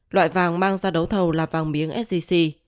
loại vàng mang ra đấu thầu là vàng miếng sgc